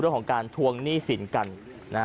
เรื่องของการทวงหนี้สินกันนะฮะ